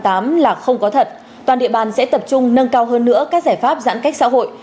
là không có thật toàn địa bàn sẽ tập trung nâng cao hơn nữa các giải pháp giãn cách xã hội